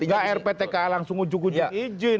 gak rptka langsung ujung ujung izin